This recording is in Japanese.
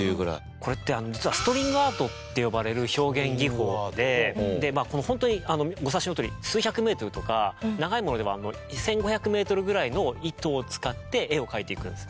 これって実はストリングアートって呼ばれる表現技法でホントにお察しのとおり数百メートルとか長いものでは１５００メートルぐらいの糸を使って絵を描いていくんです。